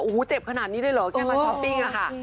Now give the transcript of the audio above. โอ้โหเจ็บขนาดนี้เลยเหรอแค่มาช้อปปิ้งอะค่ะ